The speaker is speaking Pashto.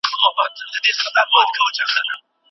که له بدو خلکو سره دوستي وکړې نو زیان به ووینې.